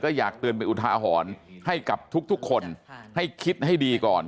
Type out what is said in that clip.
อยากเตือนไปอุทาหรณ์ให้กับทุกคนให้คิดให้ดีก่อน